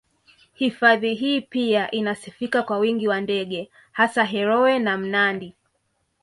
Hifadhi hii pia inasifika kwa wingi wa ndege hasa heroe na mnandi